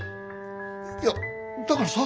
いやだからさ。